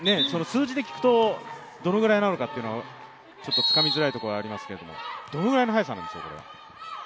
数字で聞くと、どれくらいなのかがつかみづらいところがありますがどのぐらいの速さなんでしょう。